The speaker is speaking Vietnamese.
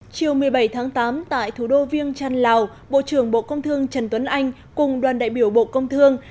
chiều một mươi bảy tháng tám tại thủ đô viêng trăn lào bộ trưởng bộ công thương trần tuấn anh cùng đoàn đại biểu bộ công thương